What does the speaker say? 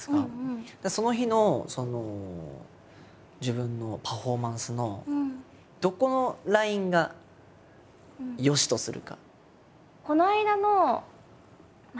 その日の自分のパフォーマンスのどこのラインがよしとするか。